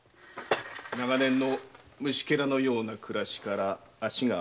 長年の虫ケラのような暮らしから足が洗えるんだ。